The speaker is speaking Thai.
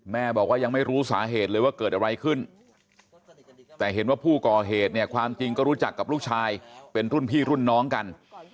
แม่บอกว่ายังไม่รู้สาเหตุเลยว่าเกิดอะไรขึ้นแต่เห็นว่าผู้ก่อเหตุเนี่ยความจริงก็รู้จักกับลูกชายเป็นรุ่นพี่รุ่นน้องกัน